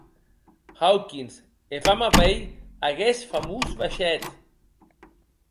Hawkins, e vam a veir aguest famòs vaishèth.